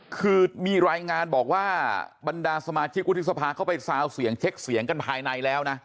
คือมีรายงานบอกว่าบรรดาสมาชิกวุฒิสภาเข้าไปซาวเสียงเช็คเสียงกันภายในแล้วนะ